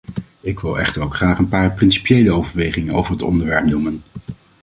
Ik wil echter ook graag een paar principiële overwegingen over het onderwerp noemen.